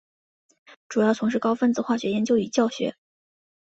主要从事高分子化学研究与教学。